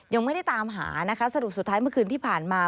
ยังไม่ได้ตามหานะคะสรุปสุดท้ายเมื่อคืนที่ผ่านมา